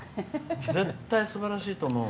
絶対すばらしいと思う。